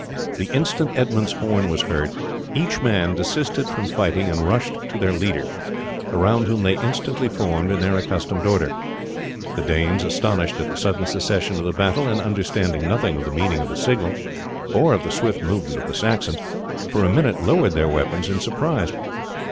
The instant Edmund's horn was heard, each man desisted from fighting and rushed to their leader, around whom they instantly formed in their accustomed order. The Danes, astonished at the sudden cessation of the battle, and understanding nothing of the meaning of the signal or of the swift movement of the Saxons, for a minute lowered their weapons in surprise.